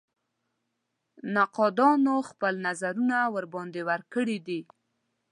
نقادانو خپل نظرونه ورباندې ورکړي دي.